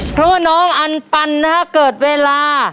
เพราะว่าน้องอันปันนะฮะเกิดเวลา